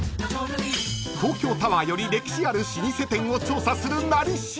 ［東京タワーより歴史ある老舗店を調査する「なり調」］